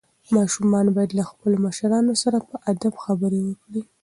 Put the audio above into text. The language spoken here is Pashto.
ماشومان باید له خپلو مشرانو سره په ادب خبرې وکړي.